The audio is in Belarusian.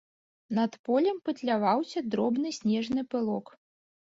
Над полем пытляваўся дробны снежны пылок.